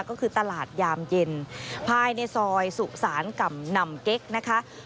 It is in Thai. ก็คือตลาดยามเย็นภายในซอยสุสานกำนำเก๊กนะคะ